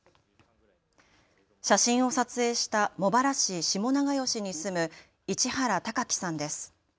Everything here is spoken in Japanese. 写真を撮影した茂原市下永吉に住む市原嵩希さんです。